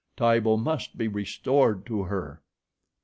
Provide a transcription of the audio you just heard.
Tibo must be restored to her.